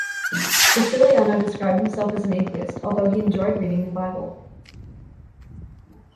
Graciliano described himself as an atheist, although he enjoyed reading the Bible.